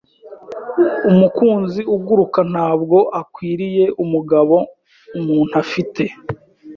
Umukunzi uguruka ntabwo akwiriye umugabo umuntu afite.